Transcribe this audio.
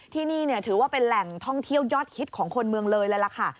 ที่นี่ถือว่าเป็นแหล่งท่องเที่ยวยอดฮิตของคนเมืองเลยเลยล่ะค่ะ